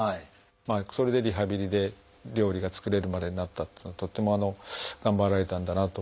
それでリハビリで料理が作れるまでになったというのはとっても頑張られたんだなと思います。